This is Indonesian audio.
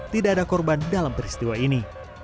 tidak ada korban dalam peristiwa ini